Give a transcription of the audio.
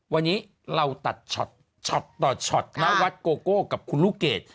วันนี้เราตัดช็อตต่อช็อตณวัดโกโก้กับคุณลูกเกด